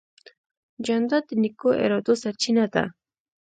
جانداد د نیکو ارادو سرچینه ده.